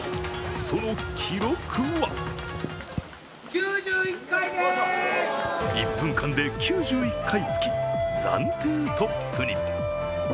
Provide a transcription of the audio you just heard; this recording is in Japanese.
その記録は１分間９１回つき暫定トップに。